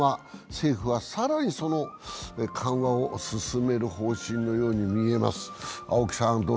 政府は更にその緩和を進める方針のように見えます。